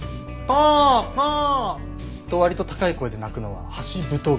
カァカァ！と割と高い声で鳴くのはハシブトガラス。